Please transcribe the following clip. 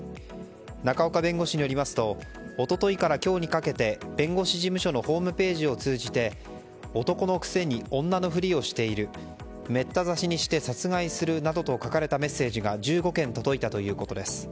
仲岡弁護士によりますと一昨日から今日にかけて弁護士事務所のホームページを通じて男のくせに女のふりをしているメッタ刺しにして殺害するなどと書かれたメッセージが１５件届いたということです。